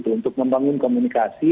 untuk membangun komunikasi